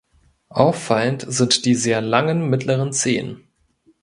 Auffallend sind die sehr langen mittleren Zehen.